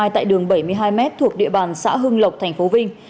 tại đường bảy mươi hai m thuộc địa bàn xã hưng lộc tp vinh